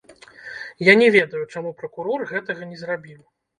Я не ведаю, чаму пракурор гэтага не зрабіў.